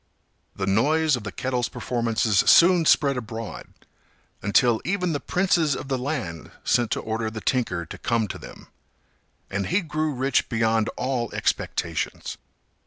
The noise of the kettle's performances soon spread abroad, until even the princes of the land sent to order the tinker to come to them; and he grew rich beyond all expectations.